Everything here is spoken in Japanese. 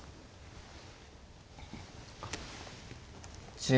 １０秒。